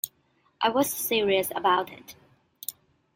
I was serious about it...